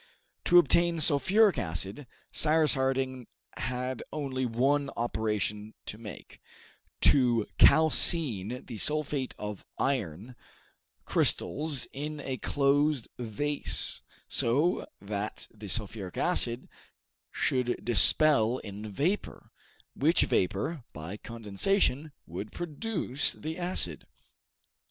To obtain sulphuric acid, Cyrus Harding had only one operation to make, to calcine the sulphate of iron crystals in a closed vase, so that the sulphuric acid should distil in vapor, which vapor, by condensation, would produce the acid.